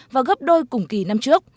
và gấp đôi cùng kỳ năm trước